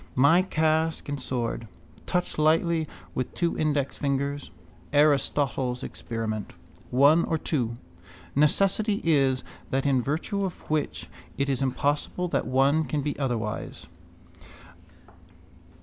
My casque and sword. Touch lightly with two index fingers. Aristotle's experiment. One or two? Necessity is that in virtue of which it is impossible that one can be otherwise.